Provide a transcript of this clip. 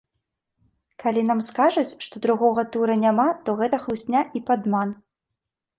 Калі нам скажуць, што другога тура няма, то гэта хлусня і падман.